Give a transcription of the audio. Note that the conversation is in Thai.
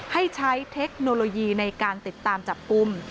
ให้ใช้เทคโนโลยีในการติดตามจับกลุ่ม